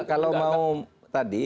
kalau mau tadi